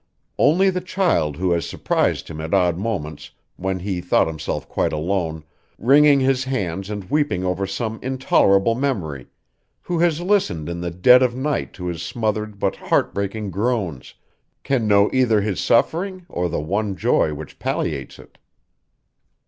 Only the child who has surprised him at odd moments, when he thought himself quite alone, wringing his hands and weeping over some intolerable memory who has listened in the dead of night to his smothered but heart breaking groans, can know either his suffering or the one joy which palliates it.